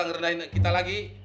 ngerendahin kita lagi